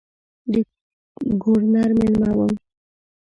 د ګورنر مېلمه وم.